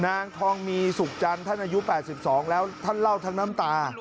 นางทองมีสุขจันทร์ท่านอายุ๘๒แล้วท่านเล่าทั้งน้ำตา